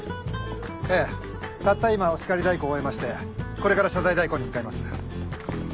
ええたった今お叱り代行を終わりましてこれから謝罪代行に向かいます。